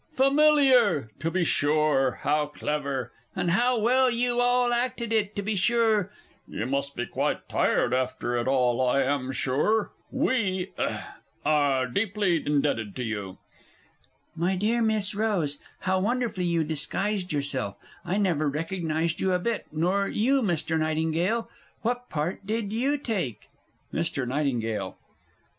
"Familiar!" To be sure how clever, and how well you all acted it, to be sure you must be quite tired after it all. I am sure we hem are deeply indebted to you.... My dear Miss Rose, how wonderfully you disguised yourself, I never recognized you a bit, nor you, Mr. Nightingale. What part did you take? MR. NIGHTINGALE.